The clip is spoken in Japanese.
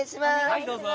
はいどうぞ。